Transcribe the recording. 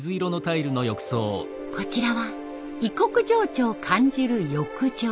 こちらは異国情緒を感じる浴場。